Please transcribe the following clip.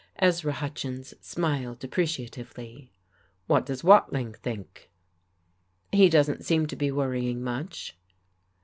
Ezra Hutchins smiled appreciatively. "What does Watling think?" "He doesn't seem to be worrying much."